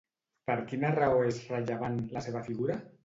Per quina raó és rellevant, la seva figura?